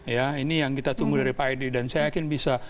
ya ini yang kita tunggu dari pak edi dan saya yakin bisa